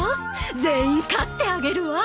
全員飼ってあげるわ。